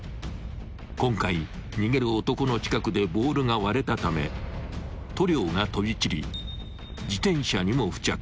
［今回逃げる男の近くでボールが割れたため塗料が飛び散り自転車にも付着］